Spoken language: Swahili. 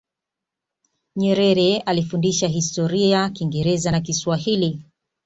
nyerere alifundisha historia kingereza na kiswahili